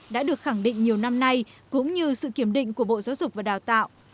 đã được khẳng định nhiều năm nay cũng như sự kiểm định của bộ giáo dục và đào tạo